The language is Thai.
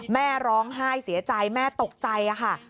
แม่ร้องไห้เสียใจแม่ตกใจค่ะ